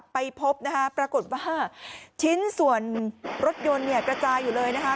ไปพบนะคะปรากฏว่าชิ้นส่วนรถยนต์เนี่ยกระจายอยู่เลยนะคะ